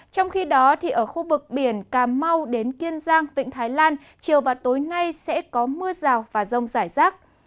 trong khi đó ở khu vực biển cà mau đến kiên giang vịnh thái lan chiều và tối nay sẽ có mưa rào và rông rải rác